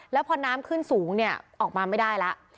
แล้วพอน้ำขึ้นสูงเนี่ยออกมาไม่ได้แล้ว